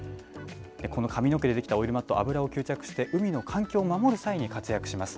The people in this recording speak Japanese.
この髪の毛で出来たオイルマット、油を吸着して、海の環境を守る際に活躍します。